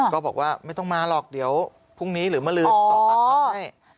ก็บอกว่าไม่ต้องมาหรอกเดี๋ยวพรุ่งนี้หรือมาลืมสอบปากคำให้